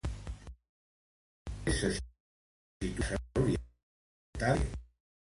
Al sud-oest se situa una terrassa orientada cap al carrer.